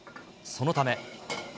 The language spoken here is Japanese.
そのため。